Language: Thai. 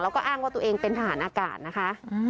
แล้วก็อ้างว่าตัวเองเป็นทหารอากาศนะคะ